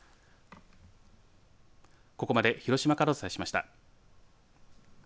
ここまで広島からお伝えしました。